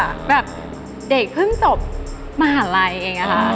แบบเด็กเพิ่งจบมหาลัยเองค่ะ